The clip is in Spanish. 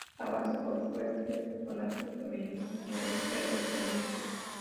Avanza por fuertes personajes femeninos, como Electra y Atenea.